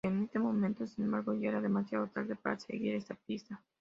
En ese momento, sin embargo, ya era demasiado tarde para seguir esa pista.